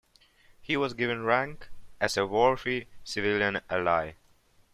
He was given rank as a worthy civilian ally.